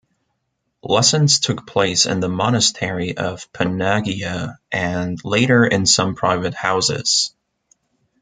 Lessons took place in the Monastery of Panaghia and later in some private houses.